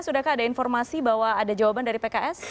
sudahkah ada informasi bahwa ada jawaban dari pks